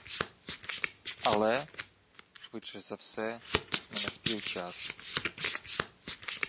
Але, швидше за все, – не наспів час